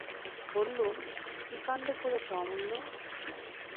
বললুম, কী কাণ্ড করেছ অমূল্য?